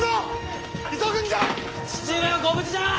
父上はご無事じゃ！